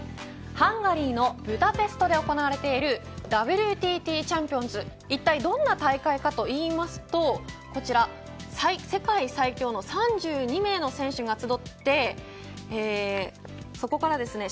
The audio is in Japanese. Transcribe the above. ハンガリーのブダペストで行われているＷＴＴチャンピオンズいったいどんな大会かといいますとこちら、世界最強の３２名の選手が集ってそこからですね